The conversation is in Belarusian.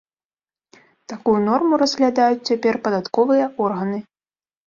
Такую норму разглядаюць цяпер падатковыя органы.